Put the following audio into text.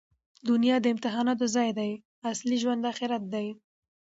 دونیا د امتحاناتو ځای دئ. اصلي ژوند آخرت دئ.